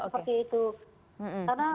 tidak seperti itu